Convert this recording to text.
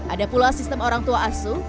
ada pula sistem orang tua asuh